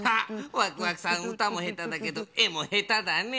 ワクワクさんうたもへただけどえもへただね。